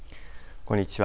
こんにちは。